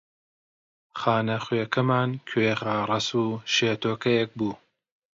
خانەخوێکەمان کوێخا ڕەسوو شێتۆکەیەک بوو